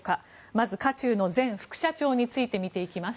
まず、渦中の前副社長について見ていきます。